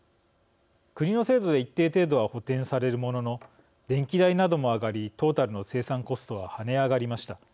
国の制度で一定程度は補てんされるものの電気代なども上がりトータルの生産コストは跳ね上がりました。